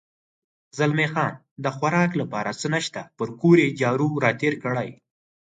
زلمی خان: د خوراک لپاره څه نشته، پر کور یې جارو را تېر کړی.